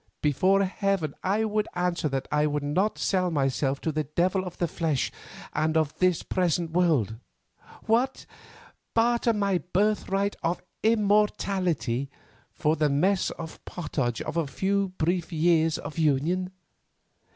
"Before Heaven I would answer that I would not sell myself to the devil of the flesh and of this present world. What! Barter my birthright of immortality for the mess of pottage of a few brief years of union?